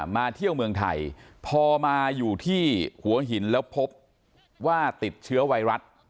มาเที่ยวเมืองไทยพอมาอยู่ที่หัวหินแล้วพบว่าติดเชื้อไวรัส